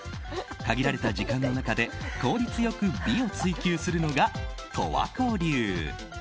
限られた時間の中で効率よく美を追求するのが十和子流。